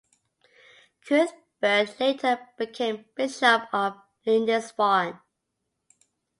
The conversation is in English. Cuthbert later became Bishop of Lindisfarne.